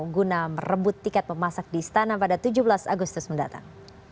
guna merebut tiket memasak di istana pada tujuh belas agustus mendatang